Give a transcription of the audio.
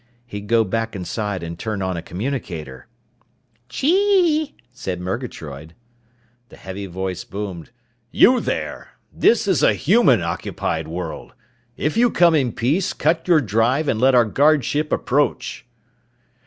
He'd go back inside and turn on a communicator. "Chee!" said Murgatroyd. The heavy voice boomed. "You there! This is a human occupied world! If you come in peace, cut your drive and let our guard ship approach!"